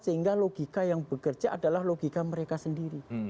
sehingga logika yang bekerja adalah logika mereka sendiri